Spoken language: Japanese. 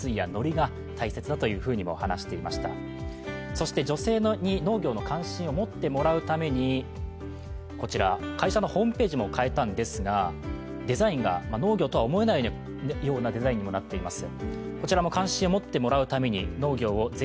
そして女性に農業の関心を持ってもらうために、こちら、会社のホームページも変えたんですがデザインが農業とは思えないようなデザインにもなっています。